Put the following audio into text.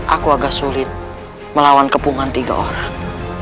aku agak sulit melawan kepungan tiga orang